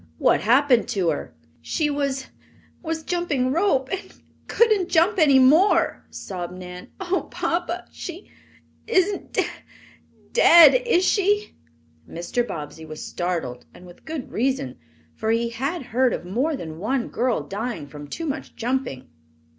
"What happened to her?" "She was was jumping rope, and couldn't jump any more," sobbed Nan. "Oh, papa, she isn't de dead, is she?" Mr. Bobbsey was startled and with good reason, for he had heard of more than one little girl dying from too much jumping.